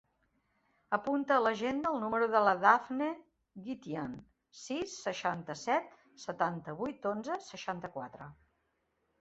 Apunta a l'agenda el número de la Dafne Guitian: sis, seixanta-set, setanta-vuit, onze, seixanta-quatre.